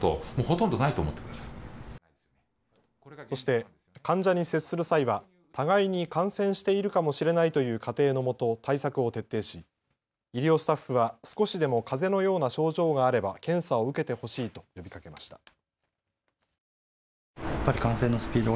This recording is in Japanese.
そして患者に接する際は互いに感染しているかもしれないという仮定のもと対策を徹底し医療スタッフは少しでもかぜのような症状があれば検査を受けてほしいと呼びかけました。